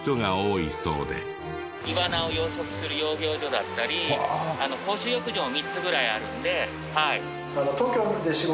イワナを養殖する養魚場だったり公衆浴場も３つぐらいあるんで。